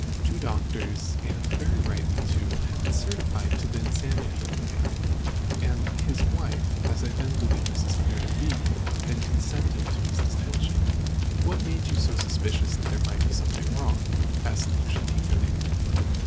Two doctors and very rightly, too had certified to the insanity of the man; and his wife as I then believed Mrs. Clear to be had consented to his detention." "What made you suspicious that there might be something wrong?" asked Lucian eagerly.